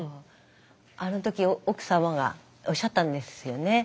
あの時奥様がおっしゃったんですよね。